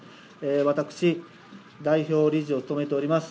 私、代表理事を務めております